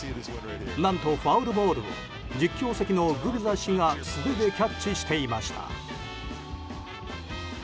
何とファウルボールを実況席のグビザ氏が素手でキャッチしていました。